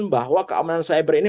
bahwa keamanan cyber ini